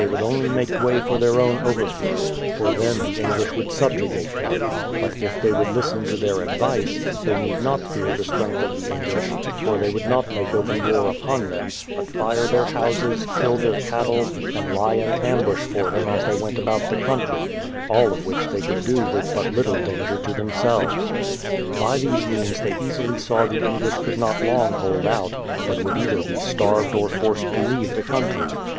v/ould only make way for their own overthrow, for then the English would soon subjugate them; but if they would listen to their advice, they need not fear the strength of the English, for they would not make open war upon them, but fire their houses, kill their cattle, and lie in ambush for them as they went about the country — all of which they could do with but little danger to themselves. By these means they easily saw the English could not long hold out, but would either be starved or forced to leave the country.